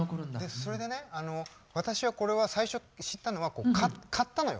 それでね私はこれは最初知ったのは買ったのよ。